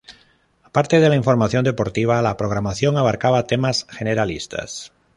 Aparte de la información deportiva, la programación abarcaba temas generalistas.